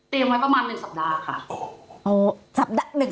เตรียมไว้ประมาณ๑สัปดาห์ค่ะ